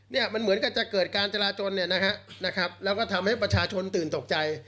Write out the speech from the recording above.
เนี่ยมันเหมือนกันจะเกิดการจราจนเนี่ยนะฮะนะครับแล้วก็ทำให้ประชาชนตื่นตกใจ